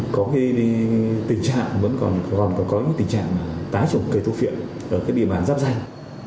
có tình trạng tái trùng cây thu phiện ở địa bàn giáp danh